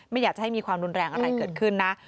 ไม่อยากจะให้มีความรุนแรงอะไรเกิดขึ้นนะ